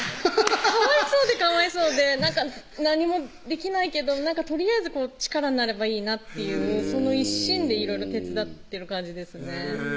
かわいそうでかわいそうでなんか何もできないけどとりあえず力になればいいなっていうその一心でいろいろ手伝ってる感じですね